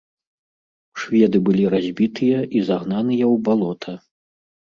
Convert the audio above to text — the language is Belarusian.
Шведы былі разбітыя і загнаныя ў балота.